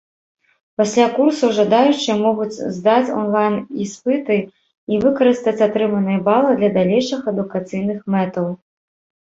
Пасля курсаў жадаючыя могуць здаць онлайн-іспыты і выкарыстаць атрыманыя балы для далейшых адукацыйных мэтаў.